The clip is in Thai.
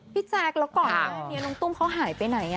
พี่แจ๊คแล้วก่อนเนี่ยน้องตุ้มเขาหายไปไหนอ่ะ